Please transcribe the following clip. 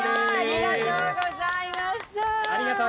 ありがとうございます。